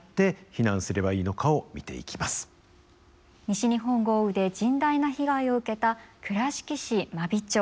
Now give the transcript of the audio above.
西日本豪雨で甚大な被害を受けた倉敷市真備町。